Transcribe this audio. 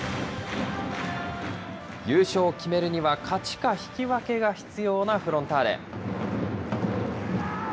優勝を決めるには勝ちか引き分けが必要なフロンターレ。